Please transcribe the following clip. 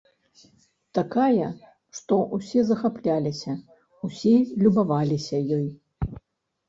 Такая, што ўсе захапляліся, усе любаваліся ёй.